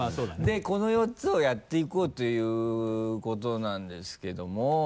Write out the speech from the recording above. でこの４つをやっていこうということなんですけれども。